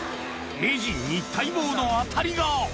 名人に待望の当たりが！